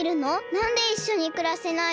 なんでいっしょにくらせないの？